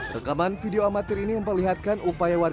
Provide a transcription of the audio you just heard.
rekaman video amatir ini memperlihatkan upaya